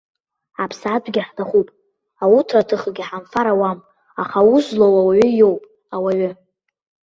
Аԥсаатәгьы ҳҭахуп, ауҭраҭыхгьы ҳамфар ауам, аха аус злоу ауаҩы иоуп, ауаҩы.